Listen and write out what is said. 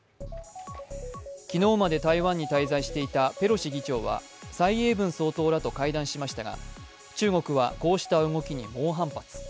昨日まで台湾に滞在していたペロシ議長は蔡英文総統らと会談しましたが、中国は、こうした動きに猛反発。